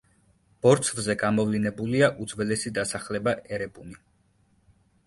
ბორცვზე გამოვლინებულია უძველესი დასახლება ერებუნი.